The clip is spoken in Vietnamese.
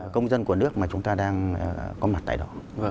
công dân của nước mà chúng ta đang có mặt tại đó